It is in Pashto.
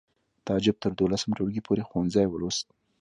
تعجب تر دولسم ټولګي پورې ښوونځی ولوست